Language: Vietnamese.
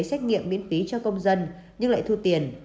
xét nghiệm miễn phí cho công dân nhưng lại thu tiền